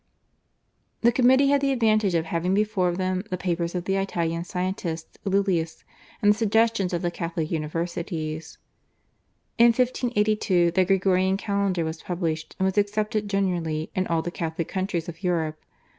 The committee had the advantage of having before them the papers of the Italian scientist, Lilius, and the suggestions of the Catholic universities. In 1582 the Gregorian Calendar was published, and was accepted generally in all the Catholic countries of Europe.